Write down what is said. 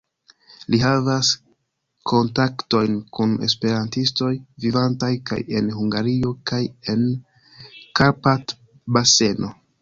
Li havas kontaktojn kun esperantistoj, vivantaj kaj en Hungario, kaj en Karpat-baseno.